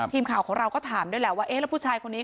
ทีมข่าวของเราก็ถามด้วยแหละว่าเอ๊ะแล้วผู้ชายคนนี้